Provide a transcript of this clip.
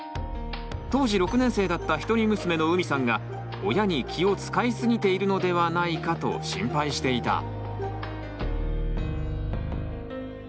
当時６年生だったひとり娘のうみさんが親に気を遣いすぎているのではないかと心配していた。